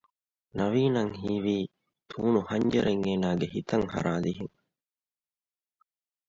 ނަވީނަށް ހީވީ ތޫނު ހަންޖަރެއް އޭނާގެ ހިތަށް ހަރާލިހެން